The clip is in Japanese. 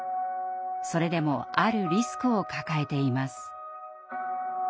それでもあるリスクを抱えています。